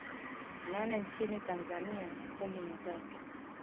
nane nchini Tanzania kumi na tatu